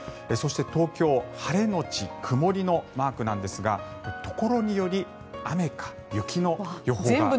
そして、東京晴れのち曇りのマークなんですがところにより雨か雪の予報が。